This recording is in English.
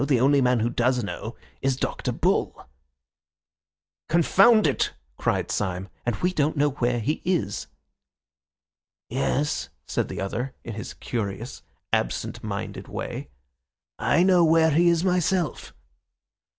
The only man who does know is Dr. Bull." "Confound it!" cried Syme. "And we don't know where he is." "Yes," said the other in his curious, absent minded way, "I know where he is myself."